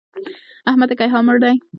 احمد د کيها مړ دی!